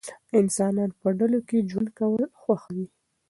انسانان په ډلو کې ژوند کول خوښوي.